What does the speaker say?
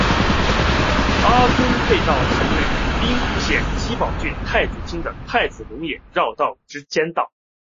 阿曾匝道是位于兵库县揖保郡太子町的太子龙野绕道之匝道。